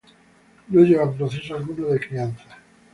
No lleva proceso alguno de crianza.